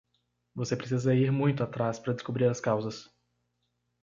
Você precisa ir muito atrás para descobrir as causas.